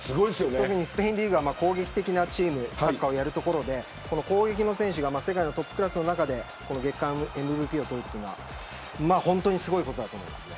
特にスペインリーグは攻撃的なサッカーをやるところで攻撃の選手が世界のトップクラスの中で月間ＭＶＰを取るっていうのは本当にすごいことだと思います。